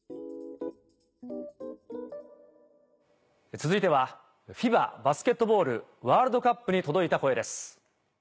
続いては『ＦＩＢＡバスケットボールワールドカップ』に届いた声です。